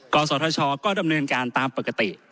กศธชก็ดำเนินการตามปกติ